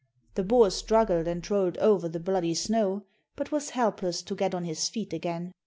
The boar struggled and rolled over the bloody snow, but was helpless to get on his feet again.